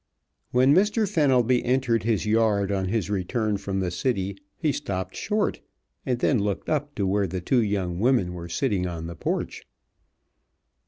When Mr. Fenelby entered his yard on his return from the city he stopped short, and then looked up to where the two young women were sitting on the porch.